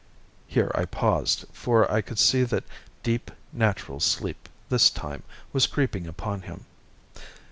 Here I paused, for I could see that deep, natural sleep this time, was creeping upon him.